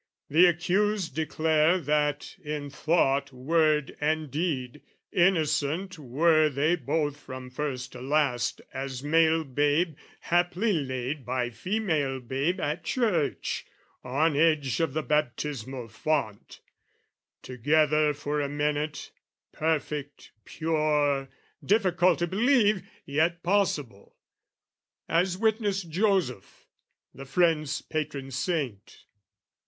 "The accused declare that in thought, word, and deed, "Innocent were they both from first to last "As male babe haply laid by female babe "At church on edge of the baptismal font "Together for a minute, perfect pure. "Difficult to believe, yet possible, "As witness Joseph, the friend's patron saint.